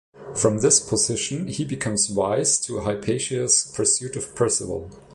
From this position, he becomes wise to Hypatia's pursuit of Percival.